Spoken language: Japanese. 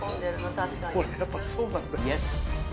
確かに。